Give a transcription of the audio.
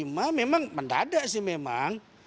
memang mendadak sih memang